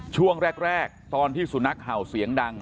ช่วงแรกตอนที่สุนัขเห่าเสียงดัง